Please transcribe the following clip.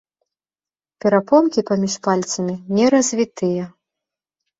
Перапонкі паміж пальцамі не развітыя.